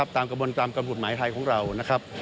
ตามกระบวนตามกำหนดหมายไทยของเรานะครับ